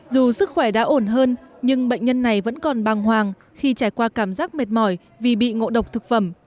dù sức khỏe đã ổn hơn nhưng bệnh nhân này vẫn còn băng hoàng khi trải qua cảm giác mệt mỏi vì bị ngộ độc thực phẩm